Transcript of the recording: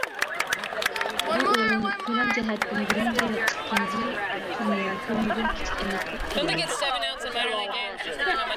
بۇ ئورۇن كۆلەم جەھەتتىن بىرىنچى ۋە ئىككىنچى تۈرمىنىڭ كۆلىمىدىن كىچىك ئەمەستەك تۇرىدۇ.